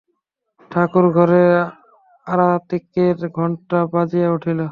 ঠাকুরঘরে আরাত্রিকের ঘণ্টা বাজিয়া উঠিল।